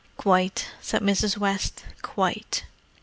"Quite!" said Mrs. West. "Quite!"